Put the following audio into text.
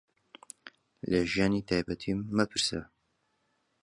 لە ژیانی تایبەتیم مەپرسە.